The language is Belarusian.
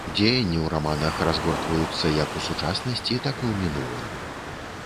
Дзеянні ў раманах разгортваюцца як ў сучаснасці, так і ў мінулым.